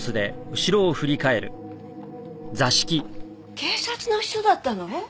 警察の人だったの？